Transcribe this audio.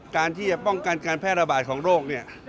การที่จะป้องกันการแพร่ระบาดของโรคเนี่ย